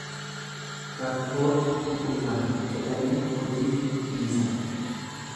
Rakkootu nu quunnama jedhanii hojii hin dhiisan.